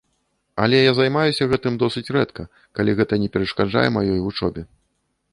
Але я займаюся гэтым досыць рэдка, калі гэта не перашкаджае маёй вучобе.